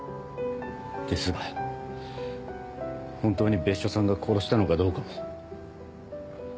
ですが本当に別所さんが殺したのかどうかも。